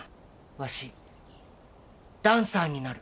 わしダンサーになる。